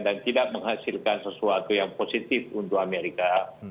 dan tidak menghasilkan sesuatu yang positif untuk amerika